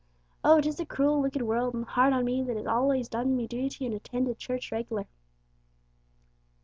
Oh, 'tis a cruel, wicked world, and hard on me that has allays done me duty an' attended church reg'lar!"